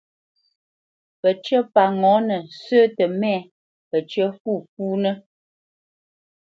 Pəcyə́ pa ŋɔ̌nə sə́ tə mɛ̂, pəcyə́ fûfúnə́.